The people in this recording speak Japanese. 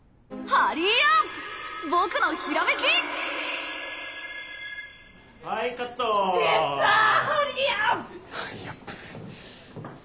「ハリーアップ」。